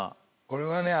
これはね